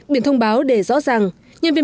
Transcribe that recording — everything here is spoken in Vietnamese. biển thông báo để rõ ràng nhân viên